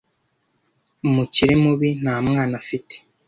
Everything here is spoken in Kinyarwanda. umukire mubi nta mwana afite